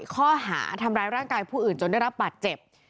ข้อหาทำร้ายร่างกายผู้อื่นจนได้รับบาดเจ็บ